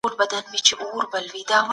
له چین څخه راوړل سوي توکي څنګه ګمرک کيږي؟